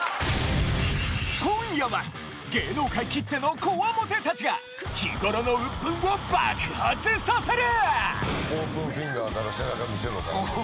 今夜は芸能界きっての強面たちが日頃のうっぷんを爆発させる！